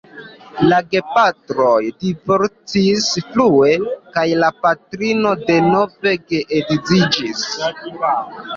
La gepatroj divorcis frue kaj la patrino denove geedziĝis.